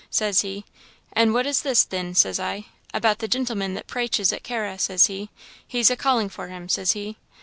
says he. 'An' what is it, thin?' says I. 'About the gintleman that praiches at Carra,' says he 'he's a calling for him,' says he.